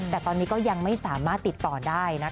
แต่ตอนนี้ก็ยังไม่สามารถติดต่อได้นะคะ